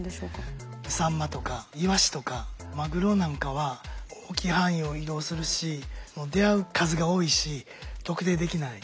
サンマとかイワシとかマグロなんかは大きい範囲を移動するし出会う数が多いし特定できない。